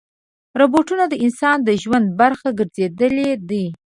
روبوټونه د انسان د ژوند برخه ګرځېدلي دي.